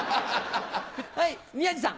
はい宮治さん。